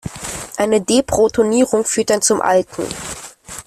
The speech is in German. Eine Deprotonierung führt dann zum Alken.